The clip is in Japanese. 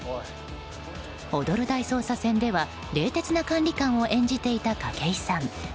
「踊る大捜査線」では冷徹な管理官を演じていた筧さん。